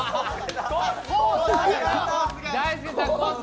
コース